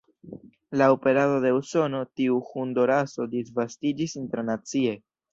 Laŭ perado de Usono tiu hundo-raso disvastiĝis internacie.